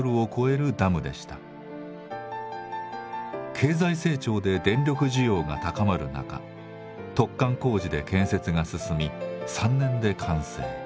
経済成長で電力需要が高まる中突貫工事で建設が進み３年で完成。